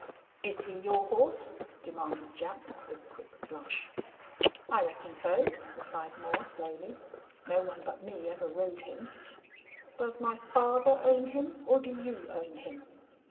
"Is he your horse?" demanded Jack, with a quick flush. "I reckon so," replied Moore, slowly. "No one but me ever rode him." "Does my father own him or do you own him?"